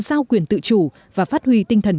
giao quyền tự chủ và phát huy tinh thần